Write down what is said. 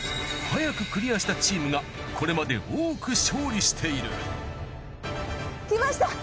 早くクリアしたチームがこれまで多く勝利している。